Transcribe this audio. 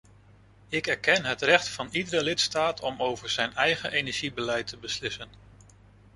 Ik erken het recht van iedere lidstaat om over zijn eigen energiebeleid te beslissen.